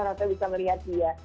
orang tua bisa melihat dia